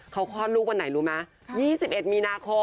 เขาคลอดลูกวันไหนรู้ไหม๒๑มีนาคม